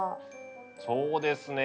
そうですね